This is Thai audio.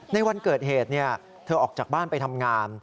ในวันเกิดเหตุเธอออกจากบ้านไปทำงาน